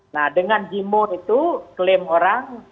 nah dengan demo itu klaim orang